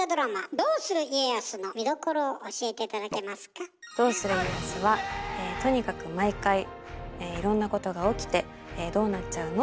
「どうする家康」はとにかく毎回いろんなことが起きてどうなっちゃうの？